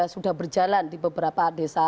sudah berjalan di beberapa desa